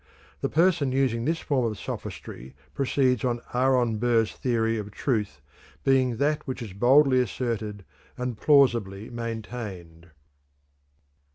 The person using this form of sophistry proceeds on Aaron Burr's theory of truth being "that which is boldly asserted and plausibly maintained."